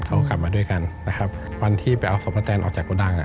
เขากลับมาด้วยกันนะครับวันที่ไปเอาศพณแตนออกจากโกดังอ่ะ